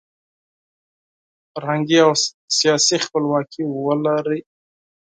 فرهنګي او سیاسي خپلواکي ولري.